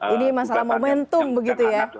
ini masalah momentum begitu ya